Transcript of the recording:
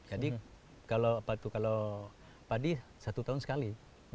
jadi kalau padi satu tahun sekali